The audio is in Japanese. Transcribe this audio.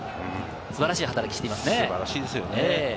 素晴らしい働きをしていますね。